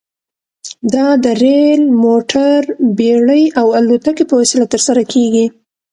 دا د ریل، موټر، بېړۍ او الوتکې په وسیله ترسره کیږي.